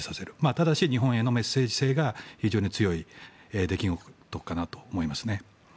ただし、日本へのメッセージ性が非常に強い出来事かなと思いますね。